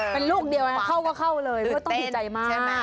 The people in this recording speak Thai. เป็นลูกเดียวเข้าก็เข้าเลยก็ต้องดีใจมากใช่ไหม